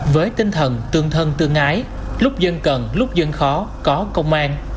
với tinh thần tương thân tương ái lúc dân cần lúc dân khó có công an